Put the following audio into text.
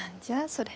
それ。